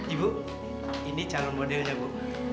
ibu ini calon modelnya bu